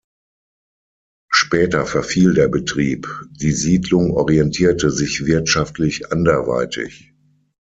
Später verfiel der Betrieb, die Siedlung orientierte sich wirtschaftlich anderweitig.